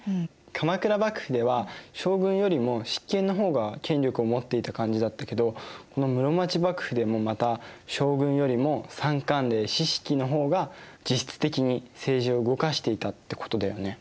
鎌倉幕府では将軍よりも執権の方が権力を持っていた感じだったけどこの室町幕府でもまた将軍よりも三管領・四職の方が実質的に政治を動かしていたってことだよね。